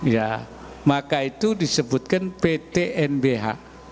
ya maka itu disebutkan pt nbh